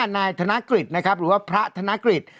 นายธนกฤษนะครับหรือว่าพระธนกฤษ